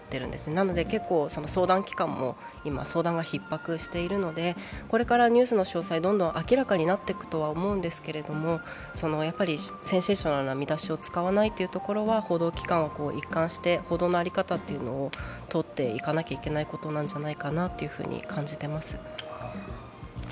なので結構、相談機関も今相談がひっ迫しているので、これからニュースの詳細、どんどん明らかになっていくと思うんですけども、センセーショナルな見出しを使わないというところは、報道機関を一貫して報道の在り方を問うていかなければいけないと感じています。